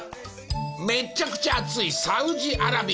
めちゃくちゃ暑いサウジアラビア。